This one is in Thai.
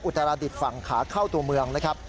ตราดิษฐ์ฝั่งขาเข้าตัวเมืองนะครับ